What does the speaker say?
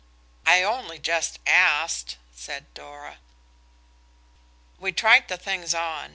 "I only just asked," said Dora. We tried the things on.